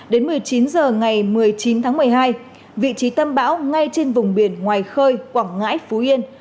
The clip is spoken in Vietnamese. đến một mươi chín h ngày một mươi chín tháng một mươi hai vị trí tâm bão ngay trên vùng biển ngoài khơi quảng ngãi phú yên